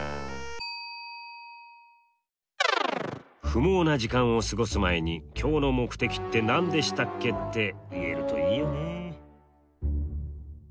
不毛な時間を過ごす前に「今日の目的って何でしたっけ？」って言えるといいよね。